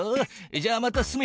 じゃあまた進め。